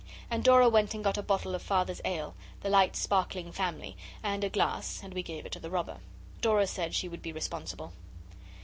And Dora went and got a bottle of Father's ale the Light Sparkling Family and a glass, and we gave it to the robber. Dora said she would be responsible.